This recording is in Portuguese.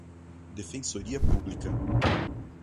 Defensoria Pública